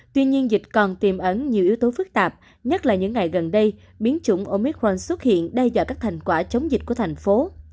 tuy nhiên dịch còn tiềm ẩn nhiều yếu tố phức tạp nhất là những ngày gần đây biến chủng omicron xuất hiện đe dọa các thành quả chống dịch của thành phố